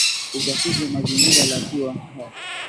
uchafuzi wa mazingira la Pure Earth